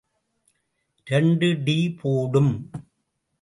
இரண்டு டீ போடு ம்...!